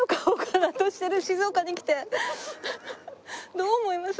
どう思います？